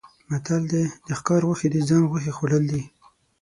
متل دی: د ښکار غوښې د ځان غوښې خوړل دي.